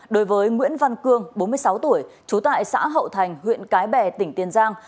đối với nguyễn văn cương bốn mươi sáu tuổi trú tại xã hậu thành huyện cái bè tỉnh tiền giang